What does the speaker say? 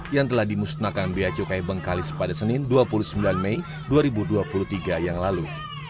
yang telah dimusnahkan biaya cukai bengkalis pada senin dua puluh sembilan mei dua ribu dua puluh tiga yang lalu